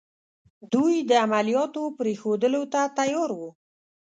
دوی د عملیاتو پرېښودلو ته تیار وو.